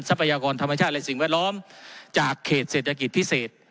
พยากรธรรมชาติและสิ่งแวดล้อมจากเขตเศรษฐกิจพิเศษ